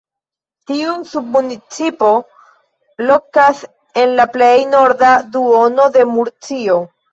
Tiu submunicipo lokas en la plej norda duono de Murcio.